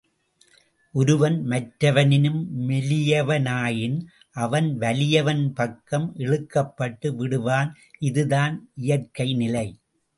ஒருவன் மற்றவனினும் மெலியவனாயின், அவன் வலியவன் பக்கம் இழுக்கப்பட்டு விடுவான், இதுதான் இயற்கை நிலை.